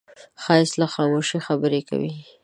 ښایست له خاموشۍ خبرې کوي